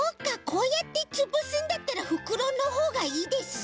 こうやってつぶすんだったらふくろのほうがいいですね。